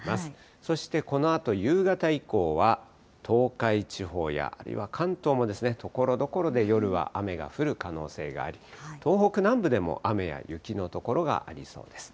そしてこのあと夕方以降は、東海地方や、あるいは関東も、ところどころで夜は雨が降る可能性があり、東北南部でも雨や雪の所がありそうです。